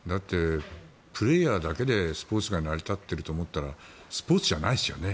プレーヤーだけでスポーツが成り立っていると思ったらスポーツじゃないですよね。